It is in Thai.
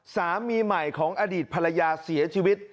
สามีใหม่ของอดีตภรรยาเสียชีวิต